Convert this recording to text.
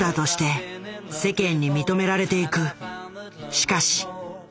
しかし。